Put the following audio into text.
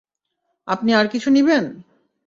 আপনি আর কিছু নিবেন?